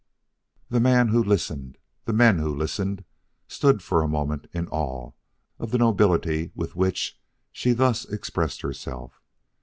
The man who listened the men who listened stood for a moment in awe of the nobility with which she thus expressed herself.